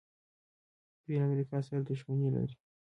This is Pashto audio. دوی له امریکا سره دښمني لري.